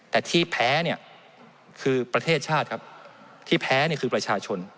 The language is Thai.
แต่ที่แพ้เนี่ยคือประเทศชาติครับที่แพ้เนี่ยคือประชาชน